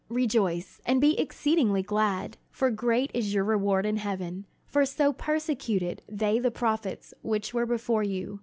"Rejoice, and be exceedingly glad: for great is your reward in heaven: for so persecuted they the prophets which were before you.